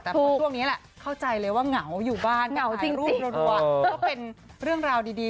แต่ช่วงนี้แหละเข้าใจเลยว่าเหงาอยู่บ้านก็เอาจริงรูปรัวก็เป็นเรื่องราวดี